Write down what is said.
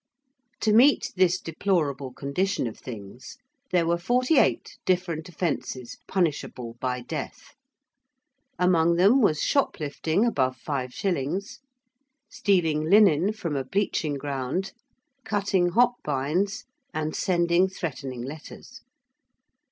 To meet this deplorable condition of things there were forty eight different offences punishable by death: among them was shoplifting above five shillings: stealing linen from a bleaching ground: cutting hop bines and sending threatening letters.